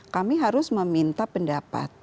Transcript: kami harus meminta pendapat